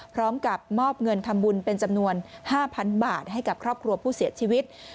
พร้อมกับมอบเงินทำบุญเป็นจำนวน๕๐๐๐บาทให้กับครอบครัวผู้เสียชีวิต